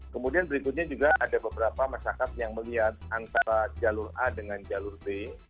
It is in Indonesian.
kemudian berikutnya juga ada beberapa masyarakat yang melihat antara jalur a dengan jalur b